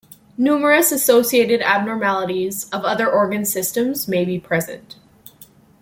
Numerous associated abnormalities of other organ systems may be present.